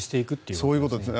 そういうことですね。